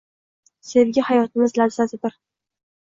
Sevgi hayotimiz lazzatidir.